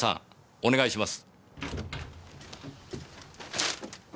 お願いします。